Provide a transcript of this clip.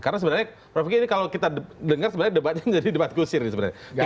karena sebenarnya pro pki ini kalau kita dengar sebenarnya debatnya jadi debat gusir nih sebenarnya